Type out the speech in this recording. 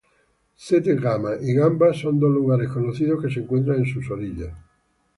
Sette Cama y Gamba son dos lugares conocidos que se encuentran en sus orillas.